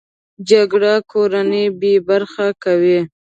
جګړه کورنۍ بې برخې کوي